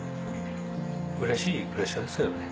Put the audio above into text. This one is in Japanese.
うれしいプレッシャーですけどね